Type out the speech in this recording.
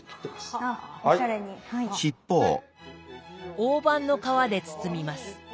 大判の皮で包みます。